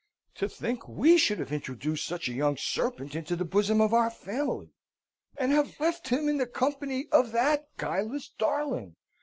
"To think we should have introduced such a young serpent into the bosom of our family! and have left him in the company of that guileless darling!"